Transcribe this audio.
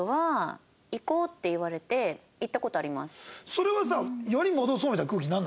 それはさ。